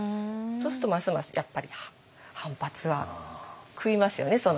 そうするとますますやっぱり反発は食いますよね